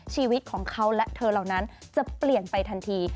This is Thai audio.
ชีวิตของเขาและเธอเหล่านั้นจะเปลี่ยนไปทันที